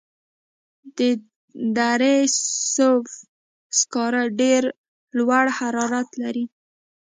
د دره صوف سکاره ډیر لوړ حرارت لري.